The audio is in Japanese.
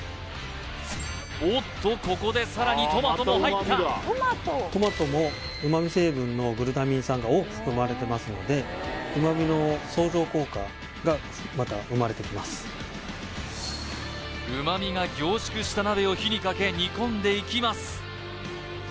おっとここでさらにトマトも入ったトマトも旨味成分のグルタミン酸が多く含まれてますので旨味の相乗効果がまた生まれてきます旨味が凝縮した鍋を火にかけ煮込んでいきます